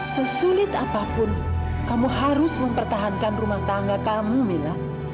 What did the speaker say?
sesulit apapun kamu harus mempertahankan rumah tangga kamu mila